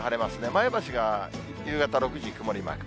前橋が夕方６時、曇りマーク。